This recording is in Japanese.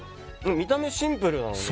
見た目、シンプルなのに。